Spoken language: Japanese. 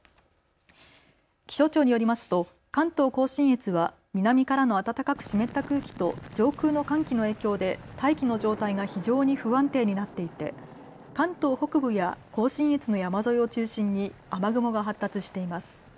気象庁によりますと関東甲信越は南からの暖かく湿った空気と上空の寒気の影響で大気の状態が非常に不安定になっていて関東北部や甲信越の山沿いを中心に雨雲が発達しています。